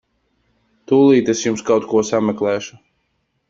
Tūlīt es jums kaut ko sameklēšu.